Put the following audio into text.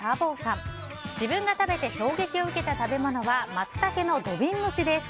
自分が食べて衝撃を受けた食べ物はマツタケの土瓶蒸しです。